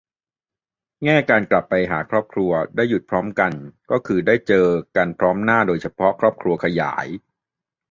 แง่การกลับไปหาครอบครัว ได้หยุดพร้อมกันก็คือได้เจอกันพร้อมหน้า โดยเฉพาะครอบครัวขยาย